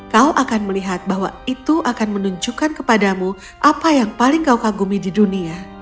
kau akan melihat bahwa itu akan menunjukkan kepadamu apa yang paling kau kagumi di dunia